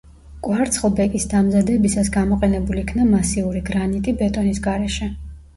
კვარცხლბეკის დამზადებისას გამოყენებულ იქნა მასიური გრანიტი ბეტონის გარეშე.